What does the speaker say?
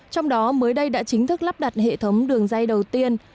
trong đó mới đây đã chính thức lắp đặt hệ thống đường dây đầu tiên